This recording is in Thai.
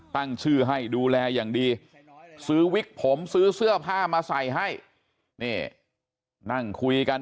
ตั้งชื่อให้ดูแลอย่างดีซื้อวิกผมซื้อเสื้อผ้ามาใส่ให้นี่นั่งคุยกัน